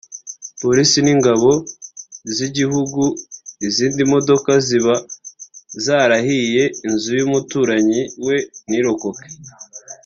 Polisi n’ingabo z’igihugu izindi modoka ziba zarahiy n’inzu y’umuturanyi we ntirokoke